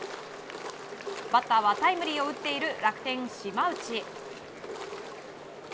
バッターはタイムリーを打っている楽天、島内。